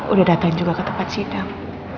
udah datang juga ke tempat sidang